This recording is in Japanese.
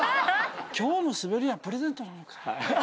今日のスベりはプレゼントなのか。